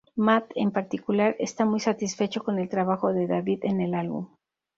Matt, en particular, está muy satisfecho con el trabajo de David en el álbum.